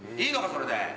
それで。